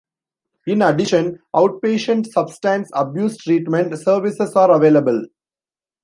In addition, outpatient substance abuse treatment services are available.